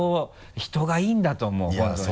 人がいいんだと思う本当に。